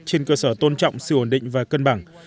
trên cơ sở tôn trọng sự ổn định và cân bằng